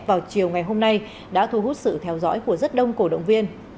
vào chiều ngày hôm nay đã thu hút sự theo dõi của rất đông cổ động viên